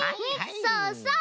そうそう！